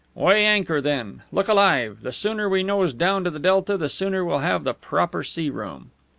"Weigh anchor, then! Look alive! The sooner we nose down to the delta the sooner we'll have the proper sea room."